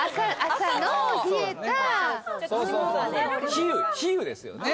比喩比喩ですよね。